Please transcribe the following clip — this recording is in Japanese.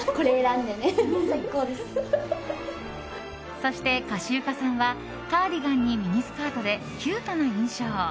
そして、かしゆかさんはカーディガンにミニスカートでキュートな印象。